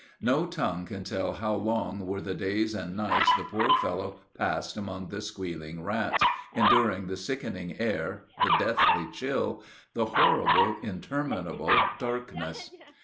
No tongue can tell how long were the days and nights the poor fellow passed among the squealing rats, enduring the sickening air, the deathly chill, the horrible, interminable darkness.